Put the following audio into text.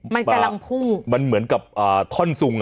มันกำลังพุ่งมันเหมือนกับอ่าท่อนซุงอ่ะ